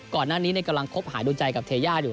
ก่อนหน้านี้กำลังคบหาดูใจกับเทย่าอยู่